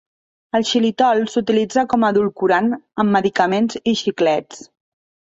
El xilitol s'utilitza com a edulcorant en medicaments i xiclets.